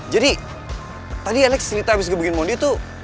jadi tadi alex cerita abis ngebukuin mondi tuh